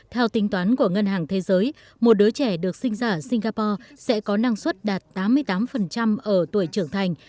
theo tính toán của ngân hàng thế giới một đứa trẻ được sinh ra ở singapore sẽ có năng suất đạt tám mươi tám ở tuổi trưởng thành